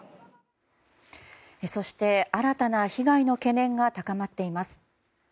そして、新たな被害の懸念が高まっています。